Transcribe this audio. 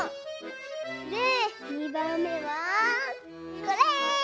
でにばんめはこれ！